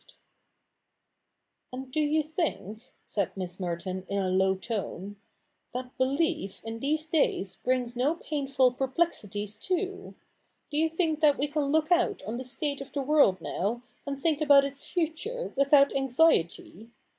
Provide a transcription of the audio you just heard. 'And do you think," said Miss Merton in a low tone, ' that belief in these days brings no painful perplexities too ? Do you think that we can look out on the state of the world now, and think about its future, without anxiety